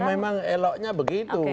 ya memang eloknya begitu